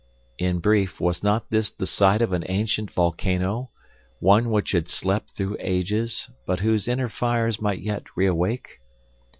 In brief was not this the site of an ancient volcano, one which had slept through ages, but whose inner fires might yet reawake?